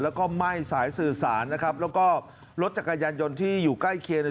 แล้วก็ไหม้สายสื่อสารนะครับแล้วก็รถจักรยานยนต์ที่อยู่ใกล้เคียงเนี่ย